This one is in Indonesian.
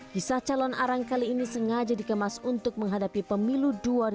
kisah calon arang kali ini sengaja dikemas untuk menghadapi pemilu dua ribu dua puluh